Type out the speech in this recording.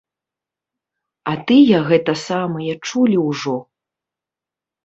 А тыя гэта самае чулі ўжо.